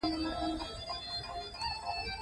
• د زړه د درزا اورېدو ته کښېنه.